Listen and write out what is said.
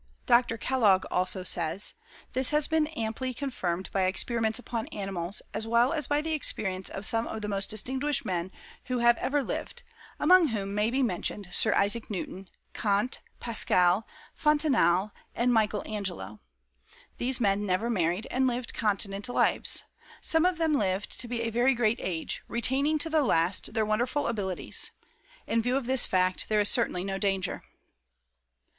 Dr. Kellogg also says: "This has been amply confirmed by experiments upon animals, as well as by the experience of some of the most distinguished men who have ever lived, among whom may be mentioned Sir Isaac Newton, Kant, Paschal, Fontenaille, and Michael Angelo. These men never married, and lived continent lives. Some of them lived to be a very great age, retaining to the last their wonderful abilities. In view of this fact, there is certainly no danger."